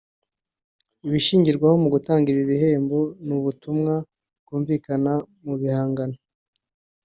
Ibishingirwaho mu gutanga ibi bihembo ni ubutumwa bwumvikana mu bihangano